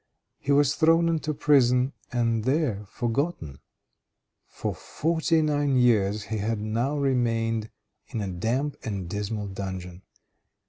He was thrown into prison and there forgotten. For forty nine years he had now remained in a damp and dismal dungeon.